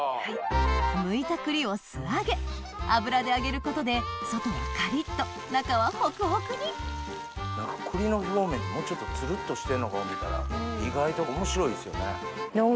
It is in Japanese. むいた栗を素揚げ油で揚げることで外はカリっと中はホクホクに何か栗の表面ってもうちょっとツルっとしてるのか思うたら意外と面白いですよね。